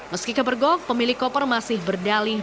meski kebergok pemilik koper masih berdalih